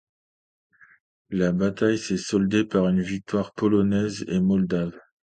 La bataille s'est soldée par une victoire polonaise et moldave.